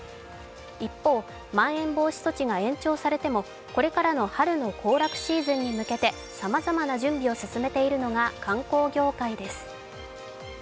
一方、まん延防止措置が延長されてもこれからの春の行楽シーズンに向けてさまざまな準備を進めているのが観光業界です。